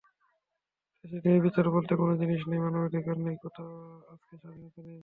দেশে ন্যায়বিচার বলতে কোনো জিনিস নেই, মানবাধিকার নেই, কোথাও আজকে স্বাধীনতা নেই।